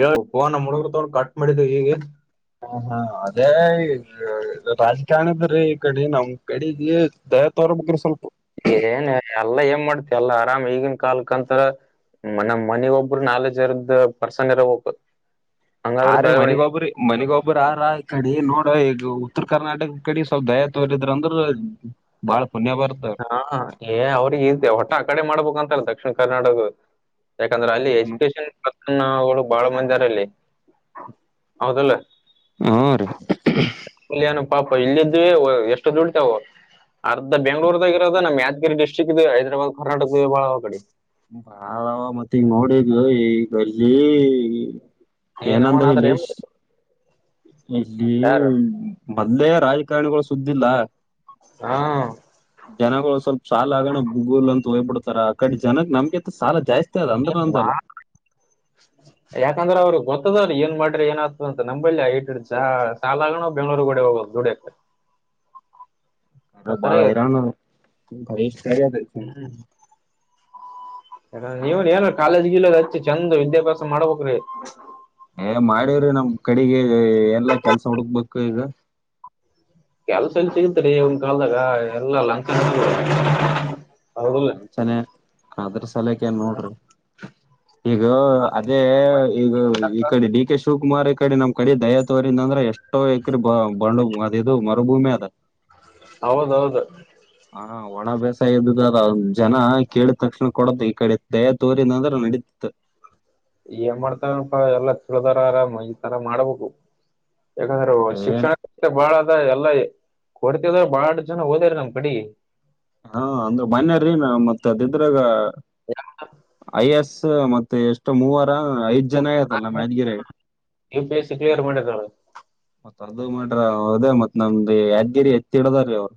ಯ ೋ ನ ಮುಡುಗರ್ ತವ ಕಟ್ ಮಾಡಿದ್ದ ಈೀಗೆ ಹ ಹಾ ಅದೇ ರಾಜಕಾರಣದ್ರೀ ಈ ಕಡೆ ನಮ್ ಕಡೆ ಇ ತೋರ್ ಬ್ರ ಸ್ವಲ್ಪ ಏನ್ ಎಲ್ಲಾ ಏನ್ ಮಾಡ್ತಿ ಎಲ್ಲ ಆರಾಮ ಈಗನ್ ಕಾಲಕಂತರ ನಮ್ಮ್ ಮನಿ ಒಬ್ರು ನಾಲಜ್ ಇರದ ಪರ್ಸನ್ ಇರ ಹ ಆ ರೀ ಮನಿಗೊಬ್ಬ್ರರಿ ಮನಿಗೊಬ್ಬ್ರ ಆರ ಕಡೆ ನೋಡ ಈಗ ಉತ್ತರ ಕರ್ನಾಟಕ ಕಡೆ ಸ್ವಲ್ಪ ದಯಾ ತೋರಿದ್ರ ಅಂದ್ರ ಬಾಳ್ ಹಾ ಏ ಅವ್ರಿಗೆ ಇ್ದ ಹೊಟ್ಟಾ ಆ ಕಡೆ ಮಾಡ್ಬೇಕಂತಲ್ಲ ದಕ್ಷಿಣ ಕರ್ನಾಟಕ ಯಾಕಂದ್ರೆ ಅಲ್ಲಿ ಈಗನು ಎಜುಕೇಶನ್ಗಳು ಬಾಳ ಮಂದಾರ ಅಲ್ಲಿ ಹೌದಲ್ಲ ಹಾ ರೀ ಕಲ್ಯನು ಪಾಪ ಇಲ್ಲದ ಎಷ್ಟು ದುಡಿತವು ಅರ್ಧ ಬೆಂಗ್ಳೂರ್ ಇರೋದ ನಮ್ಮ ಯಾದಗಿ ಡಿಸ್ಟ್ರಿಕ್ ಇದೆ ಹೈದರಾಬ್ ಕರ್ನಾಟಕ ಇದೆ ಭಳ ಕಡೆ ಭಾಳ ಮತ್ತೆ ಈಗ ನೋಡಿದ್ದ ಈಗ ಅಲ್ಲಿ ಈ ನಮ್ಮನ ಏನಂದ್ರ ಆತರ ಏನ್ ಲೇಶ್ ಇಲ್ಲಿ ಮಾಡ್ತಾರ ಮೊದ್ಲೇ ರಾಜಕಾರಣಿಗಳು ಸುದ್ದಿಲ್ಲ ಹಾ ಜನಗಳು ಸ್ವಲ್ಪ ಸಾಲ ಆಗೋಣ ಭೂಗುಲ್ ಅಂತ ಹೋಗಯ್ಬಡ್ ರ ಕಡೆ ಜನಾಗ ನಮ್ಗೆ ಸಾಲ ಜಾಸ್ತಿ ಅದ ಅಂದ್ರ ಅಂದಲ್ಲ ಾ ಯಾಕಂದ್ರೆ ಅವರು ಗೊತ್ತದರಿ ಏನ್ ಮಾಡ್ರಿ ಏನ ಆ್ತದ ಅಂತ ನಂಬಲ್ಲಿ ಆ ಐಟ್ಿಡ್ ಸಾಲಣ ಬೆಂಗಳೂರ್ಗಡೆ ಹೋಗೋದು ಜದುಡ ಹ ಅಾರ ಬಳ ಹರಾನ ಭೇಶ ಕಾರ ತ ನೀವನ್ ಏನ್ ಕಾಲೇಜ್ ಗ ಇಲ್ಲ ಹಚ್ಚಿ ಚಂದ್ ವಿದ್ಯಾಭ್ಯಾಸ ಮಾಡ್ಬಕ್್ರಿ ಏ ಮಾಡವ್ರಿ ನಮ್ ಕಡೆಗೆ ಎಲ್ಲ ಕೆಲ್ಸ ಹುಡುಕ್ಬೇಕು ಈಗ ಕೆಲಸ ಎಲ್ಲ ಸಿಗತಾರೆ ಒನ್ ಕಳದಾಗ ಎಲ್ಲ ಲಂ ಒಂದಚನ ಅದ್ರ ಸಲಕ ಏನ್ ನೋಡ್ರಿ ಈಗ ಅದೇ ಈಗ ಈ ಕಡೆ ಡಿ ಕೆ ಶಿವಕುಮಾರ್ ಈ ಕಡೆ ನಮ್ ಕಡೆ ದಯಾ ತೋರಿಂದ ಅಂದ್ರೆ ಎಷ್ಟೋ ಎಕರೆ ಬಂಡು ಅದ ಇದು ಮರುಭೂಮಿ ಅದ ಹೌದೌದು ಹಾ ಒಣ ಬ್ಯಸ ಇದ್ದ ಜನ ಕೇಳಿದ ತಕ್ಷಣ ಕೊಡತ್ ಈ ಕಡೆ ದಯಾ ತೋರಿದಂದ್ರ ನಡೀತತ್ ಏನ್ ಮಾಡ್ತಾರನಪಾ ಎಲ್ಲ ತಿಳಿದಾರರಾಮ ಈತರ ಮಾಡ್ಬೇಕು ಯಾಕಂದ್ರೆ ಏನ್ ಶಿಕ್ಷಣ ಬಾಳ ಅದ ಎಲ್ಲಾ ಕೊಡ್ತದ್ರ ಬಾಳ ಜನ ಹೋದಾರ ನಮ್ ಕಡೆ ಹಾ ಅಂದ್ರೆ ಮನ್ಯಾರೀ ನ ಮತ್ತೆ ಅದಿದ್ರಾಗ ಐ ಎಸ್ ಮತ್ತೆ ಎಷ್ಟು ಮೂವರ ಐ್ ನೀ ಪ ಎ ಸಿ ಕ್ಲಿಯರ್ ಮಾಡಿದಳ ಮರ್ದ ಮಾಡಟ್ರ ಅವದೇ ಮತ್ ನಮ್ದ್ ಯಾದ್ಗಿರಿ ಎತ್ತಿಡದ್ರೀ ಅವರು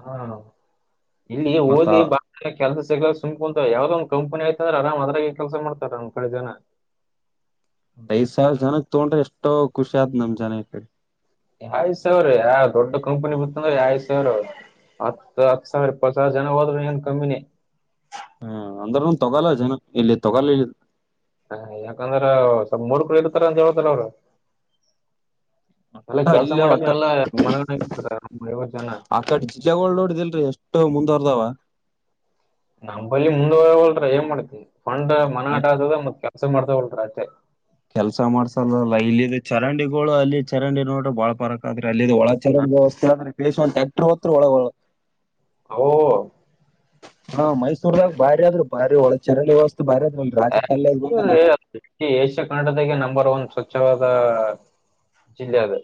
ಹಾ ಇಲ್ಲಿ ಮತ್ತ ಓದಿ ಬ ಕೆಲಸ ಸಿಗ ಸುಕುಂಂತ ಯಾವ್ದ ಒ ಕಂಪನಿಯತ ಅ್ರ ಆರಾಮ ಅದ್ರಾಗ ಕೆಲಸ ಮಾಡತಾರೆ ನಮ್ ಕಡೆ ಜನ ಹ ಐ ಸಾವಿ ಜನಾಗ ತಗೊಂಡ್ರೆ ಎಷ್ಟೋ ಖುಷಿ ಆದ್ ನಮ್ ಜನಿ ಯಾವ್ ಸಾವರ ಯಾವ ದೊಡ್ ಕಂಪನಿ ಬತ್ತಂದ್ರೆ ಯಾವ್ ಸಾವರ ಹತ್ತು ಹತ್ತು ಸಾವಿರ ಇಪ್ಪತ್ತು ಸಾವಿರ ಜನ ಹೋದ್ರು ನ್ ಕಮ್ಮಿನೇ ಹ್ಮ ಅಂದ್ರ ಒಂದ ತೊಗೋಲ್ಲ ಜನ ಇಲ್ಲಿ ತೊಗಾಲ ಹಾ ಯಾಕಂದ್ರ ಸ್ವಲ್ಪ ಮೂರ್ ಕರು ಇಳ್ತಾರ ಅಂತ ಹೇಳೇತಾರ ಅವರು ಒಟ್ಟ ಅಲ್ಲೇ ಒಟ್ಟ ಐವತ್ ಜನ ಆಕಡೆ ಜಿಲ್ಲೆಗಳಗಳು ನೋಡಿದಲ್ರಿ ಎಷ್ಟೋ ಮುಂದ ದಾವ ನಮ್ಮ್ ಬಳ ಮುಂದ ಹೋಗವಲ್ರ ಏನ್ ಮಾಡ್ತವಿ ಫೊಂಡ್ ಮನ ಆಟ ಆದ ಮತ್ ಹೊಸ ಮಾಡ್ತಾ ಹೊಲ್ಟ್ರ ಅಷ್ಟೆ ಕೆಲ್ಸ ಮಾಡಸಲ್ಲಲ್ಲ ಇಲ್ಲಿ ಚರಂಡಿಗಳು ಅಲ್ಲಿ ಚರಂಡಿ ನೋಡ್ರೆ ಬಾಳ್ ಪರಕ್ ಆದ್ರೆ ಅಲ್ಲಿ ಒಳ ಚಲ ವ್ಯವಸ್ಥೆರೆ ಬೇ ಟ್ಯಾಕ್ಟ್ರರ್ ಹರು ಒಳಗ ಹ ಹಾ ಮೈಸೂರ್ದಾಗ ಬಾರಿ ಆದ್ರರು ಬಾರಿ ಒಳ ಚೆರಾಗಿ ವ್ಯವಸ್ಥ ಏಷ್ಯಾ ಕನ್ನಡದಾಗ ನಂಬರ್ ಒನ್ ಸ್ವಚ್ಛವಾದ ಜಿಲ್ಲೆ ಅದೆ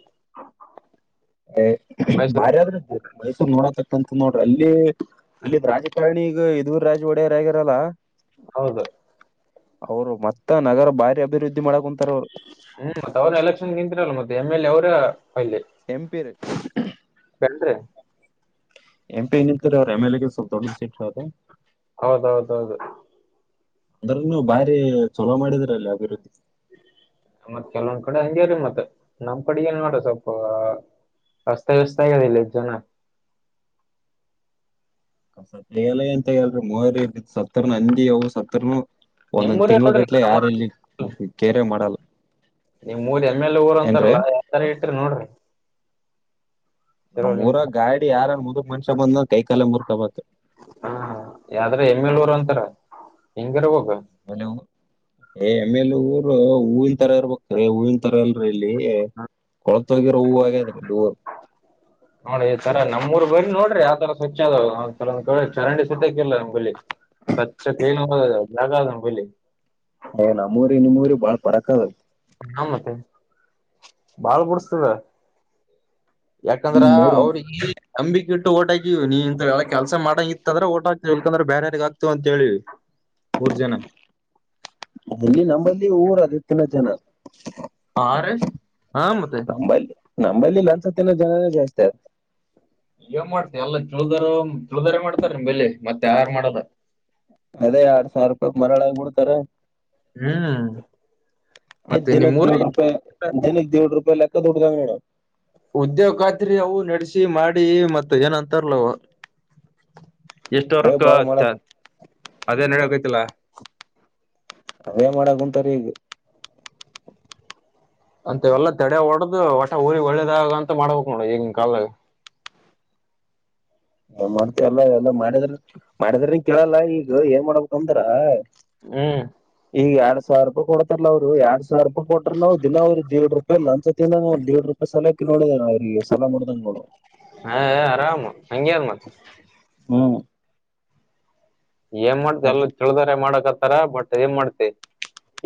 ಬಾರಾದ ನೋಡಂತ ನೋಡ್ರಿ ಅಲ್ಲಿ ಅಲ್ಲಿ ರಾಜಕಾರಣಿಗ ಇದರು ರಾಜ ಒಡೆಯರ ಆಗರಲ್ಲ ಹೌದು ಅವರು ಮತ್ತ ನಗರ ಭಾರಿ ಅಭಿವೃದ್ಧಿ ಮಾಡಕಂಂತ ಹ್ಮ್ ಮತ್ತ ಅವ್ ಎಲೆಕ್ಷನ್ ಗ ನಿಂತಿಲ್ಲ ಮತ್ತೆ ಎಮ್ ಎಲ್ ಎ ಅವರ ಎಂಪಿ ರ ಕಲ್ ಎಪ ನಿ ಅವ ಎಮ ಎಲ್ ಸ್ವಲ್ ದೊಡ್ಡ ಸೀಟ್ತ ಹೌದೌದೌದು ಅದ್ರನ್ನು ಭಾರಿ ಚಲೋ ಮಾಡಿದ್ರಲ್ಲಿ ಅಭಿವೃದ್ಧಿ ಮತ್ ಕೆಲವೊಂದ್ ಕಡೆ ಹಂಗ್ಯ್ರೀ ಮತ್ತತ್ ನಮ್ ಕಡೆ ಏನ್ ನೋಡ್ರ ಸ್ವಲ್ಪ ರಸ್ತಾ ವಸ್ತಾ ಹೇಳಲ್ಲ ಜನ ಕತ್ಲ್ಲ ಎಂತ ಹೇಳಲ್ರಿ ಮೋರಿ ಸತ್ತರ್ ಅಂದಿ ಅ ಸತ್ತರ್ನು ಒಂದೊಂದ್ ನಿಮ್ಮೂರೇ ನೋಡ್ರಿ ತಿಂಗಳಗಟ್ಲೆ ಯಾರಲ್ಲಿ ಕೇರೆ ಮಾಡಲ್ಲ ನಿಮ್ ಮೂದ ಎಮ್ ಎಲ್ ಊರ್ ಏನ್ರೀ ಅಂತಾರಲ್ಲಾ ಯಾವತರ ಇಟ್ರಿ ನೋಡ್ರಿ ಇರೋ ನಿಮ್ ನಮ್ಮ್ಊರಾಗ ಗಾಡಿ ಯಾರನ್ ಮುದುಕ್ ಮನ್ಷ್ಯ ಬಂದ ಕೈಕಾಲೆ ಮುರ್ಕಬ ಹ ಯ್ರ ಎಮ್ಮ ಎಲ್ ರು ಅಂತಾರ ಹಿಂಗರ್ ಹೋಗ ಹಲೋ ಏ ಆಮೇಲೆ ಊರು ಹೂವನ್ ತರ ಇರ್ಬೇಕ್ರೀ ಹೂವಿನ ತರ ಅಲ್ರ ಇಲ್ಲಿ ಕೊಳತ್ ಹೋಗಿರೋ ಹೂಾಗೆ ಅದ್ರೆ ಇಲ್ಲಿಊರು ನೋ ಈ ತರ ನಮ್ಮ ರ್ ಬರರಿ ನೋಡ್ರಿ ಯಾವತರ ಸ್ವಚ್ಛ ಅದಾವ್ ತರ ಕೇಳ ಚರಂಡಿ ಸತ್ಯ ನಂಬಿ ಸ್ವಚ್ ಕ ಜಾಗ ನಂಬಿ ಯ್ ನಮ್ಮೂಊರಿ ನಿಮ್ಮ್ಊರಿ ಬಾಳ್ ಪರಕ್ದ ನ ಮತ್ತೆ ಬಾಳ್ ಬಿಡಿಸತದ ಯಾಕಂದ್ರ ಮೂರು ಅವ್ರ ಈ ಅಂಬಿಕೆ ಇಟ್ಟು ಓಟಾಕಿವ ನೀ ಇಂತ ಹೇಳ ಕೆಲ್ಸ ಮಾಡಂಗ ಇತ್ತ ಅಂದ್ರೆ ಓಟಾ ಇಲ್ಕಂದ್ರೆ ಬೇರಾರಿಗ ಆಗ್ತವ ಅಂತ ಹೇಳಿವ ಮೂಊರ್ ಜನ ಇಲ್ಲಿ ನಂಬಲ್ಲಿ ಊರ ಅದ ತಿನ್ನ ಜನ ಹ ರ ಹಾ ಮತ್ತೆ ನಮ್ಮಲ್ಲಿ ಇ ಒಂದ್ಸತ್ತಿನ ಜನನೇ ಜಾಸ್ತಿ ಅ ಏನ್ ಮಾಡ್ತಿ ಎಲ್ಲ ಚುಳದಾರ ಚುಳ್ದರೆ ಮಾಡ್ತಾರ ನಿಮ್ ಬೆಲ್ಲಿಿ ಮತ್ತೆ ಯಾರ ಮಾಡದ ಅದೇ ಎರಡ್ ಸಾವಿರ ರೂಪಾಯಿ ಮರಾಳ ಆಗಬ ಬಿಡ್ತಾರೆ ಹ್ಮ್ ಮತ್ತೆ ದಿನಕ್ಕೆ ದೇಢ ನಿಮ್ಮೂರಾಗ ರೂಪ ದಿನಕ್ಕೆ ದೇಢ ರೂಪೆ ಲ ಡು ಉದ್ಯೋಗ್ ಖಾತ್ರಿ ಅವು ನಡೆಸಿ ಮಾಡಿ ಮತ್ತ ಏನಂತಾರಲವ ಎಷ್ಟ ಅವೇ ವರ್ಕ್ಕ ಬಾಳ ಆತ್ತ ಮಾಡಕ್ ಅದೇನ್ ಹಕೋ್ತಿಲ್ಲ ಅದೇ ಮಾಡಕ್ ಕುಂಂತಾರ ಈಗ ಅಂತ ಎಲ್ಲಾ ತಡೆ ಹೊಡ್ದ ಹೊಟ ಊರಿ ಒಳ್ಳದಾಗ ಅಂತ ಮಾಡ್ಬೇಕಕ್ ನೋಡ ಈಗಿನ ಕಾಲ [inaudible] ಮಾಡ್ತವಲ್ಲ ಎಲ್ಲ ಮಾಡಿದ್ರ ಮಾಡಿದ್ರನ್ ಕೇಳಲ್ಲ ಈಗ ಏನ್ ಮಾಡ್ಬೇಕಕ್ ಅಂದಾರ ಹ್ಮ ಸಾವಿರ ರೂಪಾಯ ಕೊಡ್ತಾರಲ್ಲ ಅವರು ಎರಡ್ ಸಾವಿರ ರೂಪಾಯ ಕೊಟ್ಟ್ರ ನಾವವು ದಿನ ಅವ್ರರು ದರು ಇಲ್ಲ ಅಂದ್ತಿಂದಾಗ ಒಂದ್ರಡ್ ರೂಪಾಯಿ ಸಾಲಾಕ್ಕೆ ನೋಡಿದ ಸಲ ನ ಮಾಡಡ್ದಂಗ ನೋ ಹಾ ಆರಾಮ ಹಂಗಗೆಾರ ಮತ್ತ ಹಾ ಏನ್ ಮಾಡ್ತ ಎಲ್ಲ ತಿಳ್ದಾರ ಮಾಡಕತ್ ತರ ಬಟ್ದಏನ್ ಮಾಡ್ತಿ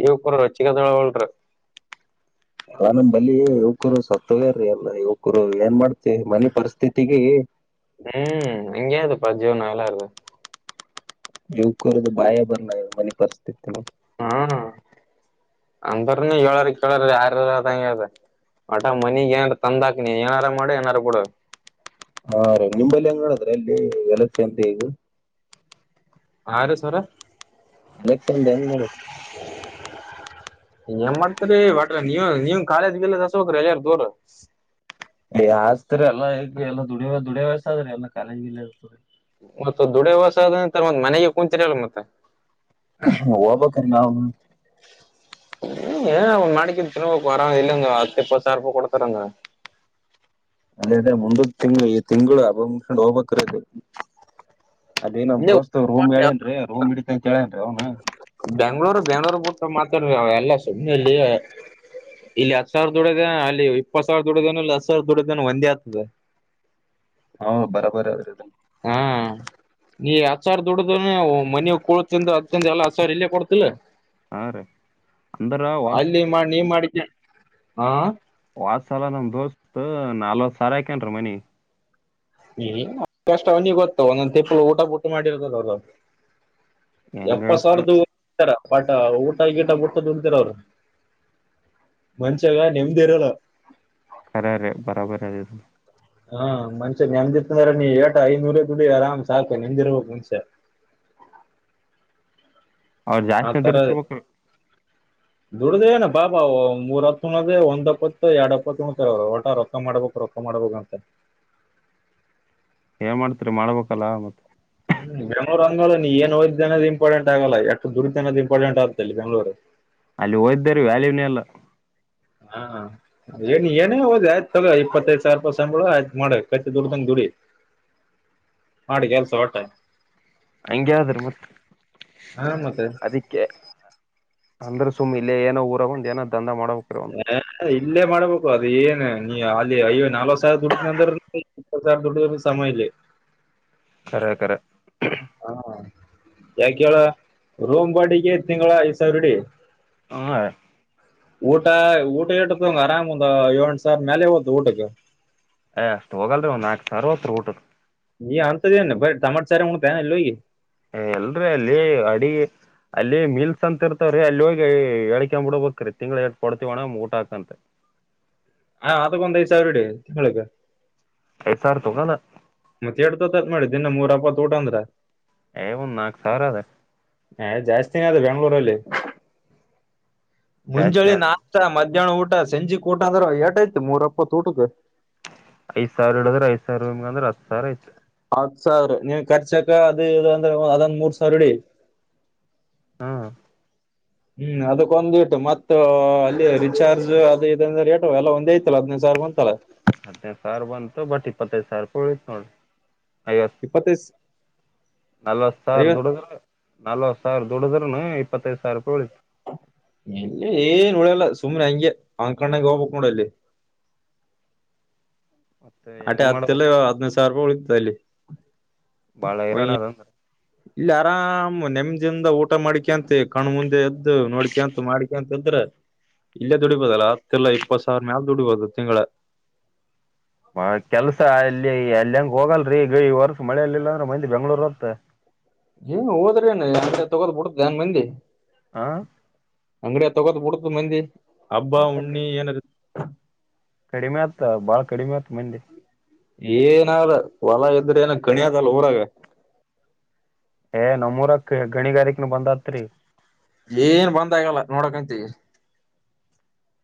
ಇವ ಕೂಡ ಚಿಗದಳಳ ಅಲ್ಲ ನಮ್ ಬಲಿ ಯುವಕರು ಸತ್ತವೇ್ರೀ ಎಲ್ಲ ಯುವಕರು ಏನ್ ಮಾಡ್ತಿವಿ ಮನೆ ಪರಿಸ್ಥಿತಿಗೆ ಹ್ಮ್ ಹಂಗಯ ಅದು ಪಜವ ನಲ್ಲಾಾರದೆ ಯುವಕರದು ಬಾಯ ಬಂದ ಮನೆ ಪರಿಸ್ಥಿತಿಿನ ಹ್ಮ ಅಂದ್ರನು ಹೇಳಾರ ಕೇಳಾರ ಯಾರ ಅದಂಗ ಹೇಳ್ದ ಆಟಾ ಮನಿಗ್ ಏನಾರ ತಂದಾಕಿನಿ ಏನಾರು ಮಾಡ ಏನಾರ ಕೊಡ ಹಾ ರ ನಿಂಬಲ್ಲಿ ಹೆಂಗ ನ ಮಾಡಡದ್ರ ಅಲ್ಲಿ ವಲಸೆ ಎಂತ ಈಗ ಆಾರ ಸರ ಬಕ್ಂದ ಹೆಂಗ್ ನೋಡ ಇ ಏನ್ ಮಾಡ್ತರಿ ಬಟ್ರ ನೀವ ನೀನ್ ಕಖಾಲದ್ ಬಲ್ಲ ಹಸ ಹೋಗ್ರಿ ಎಲ್ಲಾರ ದೋರ ಹಸ್ತತ್ರಿ ಎಲ್ಲ ಈಗ ಎಲ್ಲಾ ದುಡ ದುಡಿಯ ವಸ್ದ್ರೀ ಎಲ್ಲ ಕಾಲೇಜ್ ಇರಿ ಮತ್ತ ದುಡ ವಾಸ ಆದ ನಂತರ ಮ ಮನೆಗೆ ಕುಂಚರಿ ಅಲ್ಲ ಮತ್ತೆ ಹಬ ಕಮಾವ ಏ ನಡಿಕೆ ತಿಿನ ವರ ಇಲ್ಲಂಗ ಹತ್ತು ಇಪ್ಪತ್ತಾವಾರ ರೂಪಾಯ್ ಕೊಡ್ತರಂಗ ಅದೇ ಮುಂದ ತಿಂಗಳ ಈ ತಿಂಗಳು ಅಬ್ೊಂಡ್ ಹೋಗ್ಬೇಕಕ್ರದೆ ಅದೇ ನಮ್ ಇಲ್ಲೇ ದೋಸ್ತ್ ರೂಮ್ ಹೇಳೇನ್ರಿ ರೂಮ್ಿಡಿತತಿ ಅಂತ ಹೇಳೇನ್ರಿ ಅವ್ನು ಬೆಂಗ್ಳೂರ್ ಬೆಂಗ್ಳೂರ್ ಬಿುಟ್ಟ ಮಾತಾಡ್ವಿ ಅವ ಎಲ್ಲ ಸುಮ್ನೆಲ್ಲಿ ಇಲ್ಲಿ ಹತ್ತು ಸಾವಿರದ ದೊಡಗ ಅಲ್ಲಿ ಇಪ್ಪತ್ತು ಸಾವಿದ ದೊಡ್ಡಗನ ಇ ಹತ್ ಸಾವರ ದೊಡಗನ ಒಂದೇ ಆಗ್ತದೆ [inaudible] ಹ ಬರಬರ ಅವ ಹ್ಮ್ ನೀ ಆಚಾರ್ ದದುಡ್ದ್ರ ಮನ ಕಳತಿಂದ ಅದಿಂದ ಎಲ್ಲ ಆಚಾರ್ ಇಲ್ಲೇ ಕೊಡ್ತಿಲ್ಲ ಹಾ ರೀ ಅಂದ್ರ ವಾಸ್ ಅಲ್ಲಿ ಮಾಡ ನೀ ಮಾಡ ಹಾ ವತ್ಸಲ ನಮ ದೋಸ್ತ್ ನಾಲ್ವತ್ ಸಾರ್ ಆಾಕನ್ರಿ ಮನಿ ಹ್ಮ ಕಷ್ಟ ಅವನಿಗೆ ಗೊತ್ತು ಒಂದೊಂದ ತಪ್ಪಳ ಊಟ ಪುಟ ಮಾಡಿರದದ ಅವದ ಹೆಂಗ್ ಎಪ್ಪತ್ ಹೇಳ್ತೀರಿ ಸಾವಿರ್ದರ ಪಾಠ ಊಟ ಈ ಗೀಟ ಬಿಡ್ತದ ಕುಂತರ ಅವರು ಮಂಚಾಗ ನಿಮ್ದಿ ಇರಲ್ಲ ರ ರೇ ಬರಬರ ಅದೆದು ಹಾ ಮಂಷ್ಯ ನೆಂದದಿತ್ತ ಅಂದ್ರೆ ನೀ ಏಟ ಐದ್ನೂರ ದುಡಿ ಆರಾಮ್ ಸಾಕು ನೆಮ್ದಿರ್ಬಕ್ ಮುಂಷ್ಯ ಹ ಅವ್ರು ಜಾಸ್ತಿ ಅಂತ ಹಡತಿರ್ಬೇಕ [inaudible] ದುಡ್ದ ಏ ಬಾಬಾ ಮೂರ ಹತ್ ಹಣದ ಒಂದ್ಪ್ಪತ್ತು ಎರಡ್ ಹಪ್ಪತ್ತು ಉಣತ ಒಟ ರೊತ್ತ ಮಾಡ್ಬೇಕು ರೊಕ್ಕ ಮಾಡ್ಬಂತ ಏನ್ ಮಾಡ್ತರಿ ಮಾಡ್ಬೇಕಲ್ಲ ಮತ್ತೆ ಹ್ಮ್ ಬೆಂಗಳೂರು ಹಂಗೋ ನೀ ಏೋದ್ದೆ ಅನೋ ಇಂಪಾರೆಂಟ್ಗಲ್ಲ ಎಷ್ಟ ದುಡಿದು ಅನೋ ಇಂಪಾರ್ಟೆಂಟ್ ಆಗೆ ಇ ಬೆಂಗಳೂರು ಅಲ್ಲಿ ಹೋದ್ದಾರ ವ್ಯಾಲ್ಯೂನಲ್ಲ ಹಾ ಏನ್ ಏನೇ ಹೋದ್ರೆ ಆಯ್ತ ತಗೋ ಇಪ್ಪತ್ತೈದು ಸಾವಿರ ರೂಪಾಯಿ [unintelligible] ಕತ್ತಿ ದುಡ್ದಂಗ ದುಡಿ. ಮಾಡಿ ಕೆಲ್ಸ ವಟ್ಟ್. ಹಂಗೆ ಅದರಿ ಮತ್ತ್ ಹಾ ಮತ್ತೆ ಅದಿಕ್ಕೆ ಅಂದ್ರ ಸುಮ್ಮ್ ಇಲ್ಲೇ ಏನೋ ಊರಾಗ್ ಒಂದ್ ಏನೋ ದಂದ ಮಾಡ [unintelligible] ಇಲ್ಲೇ ಮಾಡ್ಬೇಕು ಅದು ಏನ್ ನೀ ಅಲ್ಲಿ ಅಯ್ಯೋ ನಾಲ್ವತ್ತ್ ಸಾವರ ದುಡಿತಿನ್ ಅಂದ್ರುನು ಹತ್ತ್ ಸಾವರ್ [unintelligible] ಸಮ ಇಲ್ಲಿ. ಕರೆ ಕರೆ. ಯಾಕೇಳ ರೋಮ್ ಬಾಡಿಗೆ ತಿಂಗಳ ಐದ್ ಸಾವರ ಹಿಡಿ. ಹ್ಮು ಊಟ ಊಟ [unintelligible] ಆರಾಮ್ ಒಂದ್ ಏಳೋ, ಎಂಟ್ ಸಾವರ ಮ್ಯಾಲೆ ಹೋತ ಊಟಕ್ಕೆ. ಏ ಅಷ್ಟ್ ಹೋಗಲ್ರಿ ಒಂದ್, ನಾಕ ಸಾವಿರ [unintelligible] ಊಟಕ್ಕ್. ನೀ ಹಂತದೇನ್ ಬರೇ ಟೊಮ್ಯಾಟೋ ಸಾರ್ ಉನ್ನತಿ ಏನ್ ಅಲ್ಲಿ ಹೋಗಿ. ಏ ಇಲ್ರಿ ಅಲ್ಲಿ ಅಡಗಿ ಅಲ್ಲಿ ಮೀಲ್ಸ್ ಅಂತ ಇರ್ತಾವ್ರಿ ಅಲ್ಲಿ ಹೋಗಿ ಹಳ್ಕೊಂಡ್ ಬಿಡ್ಬೇಕ್ರಿ ತಿಂಗ್ಳ್ ಇಟ್ ಕೊಡ್ತೀವ ಅಣ್ಣ ಊಟ ಹಾಕಂತ. [inaudible] ಹಾ ಅದಕ್ಕೊಂದ ಐದ್ ಸಾವರ್ ಹಿಡಿ [unintelligible] ಐದ್ ಸಾವರ ತಗೋದ. ಮತ್ತ ಎಟ್ಟ್ ತಗೋತಾರ್ ಅಂತ್ ಮಾಡಿದ್ದಿ ದಿನ ಮೂರ್ ಅಪ್ಪತ್ ಊಟ ಅಂದ್ರ. ಏ ಒಂದ್ ನಾಕ ಸಾವರ ಅದ. ಎ ಜಾಸ್ತಿನ ಅದು ಬೆಂಗ್ಳೂರಲ್ಲಿ ಜಾಸ್ತಿನ ಮುಂಜೋಳ್ಳಿ ನಾಸ್ಟಾ ಮ ಏನ್ ಊಟ ಸಂಜಿ ಊಟ ಅಂದ್ರೆ ಎಟ್ಟ ಆಯ್ತ ಮೂರ ವಪ್ಪತ್ ಊಟದ. ಐದ್ ಸಾವಿರ ಇಡದ್ರೆ ಐದ ಸಾವಿರ [unintelligible] ಹತ್ತ್ ಸಾವರ ಆಯ್ತ್. ಹತ್ತ್ ಸಾವಿರ ನೀನ್ ಖರ್ಚಕ ಅದ ಇದ್ ಅಂದ್ರ ಅದೊಂದ್ ಮೂರ್ ಸಾವಿರ ಹಿಡಿ. ಹ್ಮು [inaudible] ಹ್ಮು ಅದಕ್ಕೊಂದ್ ಇಟ್ ಮತ್ತ ಅ ಅಲ್ಲಿ ರಿಚಾರ್ಜ್ ಅದ ಇದ ಅಂದ್ರ ರೇಟ ಎಲ್ಲ ಒಂದ ಐತಲ್ಲ ಹದನೈದ್ ಸಾವಿರ ಬಂತಲ್ಲ. ಹದ್ನೈದ ಸಾವಿರ ಬಂತು ಬಟ್ ಇಪ್ಪತ್ತೈದು ಸಾವಿರ ರೂಪಾಯಿ ಉಳಿತ್ ನೋಡ್. ಇಪ್ಪತ್ತೈ ಸ್ ನಾಲ್ವತ್ ಸಾವಿರ ದುಡುದ್ರ ನಾಲ್ವತ್ ಸಾವಿರ ದುಡುದ್ರುನು ಇಪ್ಪತ್ತೈದ ಸಾವಿರ ರೂಪಾಯಿ ಉಳಿತ. ಎಲ್ಲಿ ಏನ್ ಉಳಿಯಲ್ಲ ಸುಮ್ಮನೆ ಹಂಗೆ ಅನ್ಕೊಂಡಂಗ್ ಹೋಗ್ಬೇಕ್ ನೋಡ್ ಅಲ್ಲಿ. [inaudible] ಮತ್ತೆ ಅಟೆ ಹೆಂಗ್ ಹತ್ತ ಮಾಡ್ಬೇಕ್ ಇಲ್ಲ ಹದ್ನೈದ ಸಾವಿರ ರೂಪಾಯಿ ಉಳಿತೈತಿ ಅಲ್ಲಿ. ಬಾಳ ಹೈರಾನ್ ಅದ ಹಂಗಾರ. ಇಲ್ಲಿ ಆರಾಮ್ ನೆಮ್ದಿಂದ ಊಟ ಮಾಡಿಕಂತ ಕಣ್ಣ್ ಮುಂದೆ ಇದ್ದ ನೋಡ್ಕಿಂತ ಮಾಡಿಕಂತ ಇದ್ರ ಇಲ್ಲೇ ದುಡಿಬೋದಲ್ಲ ಹತ್ತಲ್ಲಾ ಇಪ್ಪತ್ತ್ ಸಾವಿರ ಮ್ಯಾಲ ದುಡಿಬೋದು ತಿಂಗಳ. ಆ ಕೆಲ್ಸ ಅಲ್ಲಿ ಎಲ್ಲಿ ಹೆಂಗ ಹೋಗಲ್ರೀ ಈಗ್ ಈ ವರ್ಷ ಮಳೆೆಯಲ್ಲಿಲ್ಲಾಂದ್ರೆ ಮಂದಿ ಬೆಂಗ್ಳೂರ್ [unintelligible] ಏನ್ ಹೋದ್ರ ಏನ್ [unintelligible] ತಗೋದ್ [unintelligible] ಮಂದಿ. ಆ ತಗೋಕ್ ಬಿಡುದಿಲ್ಲ ಮಂದಿ ಹಬ್ಬಾ, ಉಣ್ಣಿ ಏನರ ಕಡಿಮೆ ಆತ್ ಬಾಳ ಕಡಿಮೆ ಆತ್ ಮಂದಿ. ಏನಾರ ಹೊಲ ಇದ್ರೆ ಏನ ಕಣಿದಲ್ಲ ಊರಾಗ. ಎ ನಮ್ಮೂರಾಗ್ ಗಣಿಗಾರಿಕೆನ ಬಂದ್ ಆಯ್ತ್ರಿ. ಏನ್ ಬಂದ ಆಗಲ್ಲ ನೋಡಕಂತಿ.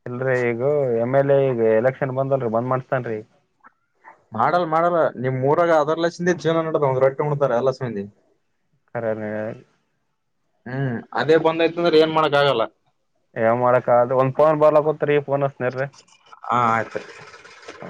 ಇಲ್ರೀ ಈಗ ಎಮ್-ಎಲ್-ಎ ಈಗ ಎಲೆಕ್ಷನ್ ಬಂದಲ್ರಿ ಬಂದ್ ಮಾಡಸ್ತಾನ್ರಿ. ಮಾಡೋರ್ ಮಾಡೋರ್ ನಿಮ್ಮ ಊರಾಗ ಅದರ್ಲ್ಸಿಂದ ಜೀವನ ನಡದಾವ್ ಒಂದ್ ರೊಟ್ಟಿ ಉನ್ನತಾರ್ ಎಲ್ಲಾ ಸಂದಿ. [unintelligible] ಹ್ಮು ಅದೇ ಬಂದಾಯ್ತ ಅಂದ್ರೆ ಏನ್ ಮಾಡಕ್ ಆಗಲ್ಲ. ಯಾವ ಮಾಡಕ [unintelligible] ಒಂದ್ ಫೋನ್ ಹಾ ಆಯ್ತು [unintelligible] ಆ